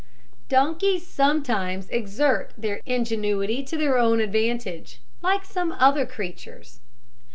Donkeys sometimes exert their ingenuity to their own advantage, like some other creatures.